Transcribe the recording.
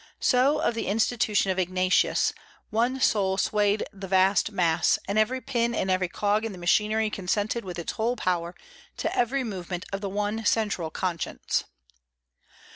So of the institution of Ignatius, one soul swayed the vast mass; and every pin and every cog in the machinery consented with its whole power to every movement of the one central conscience."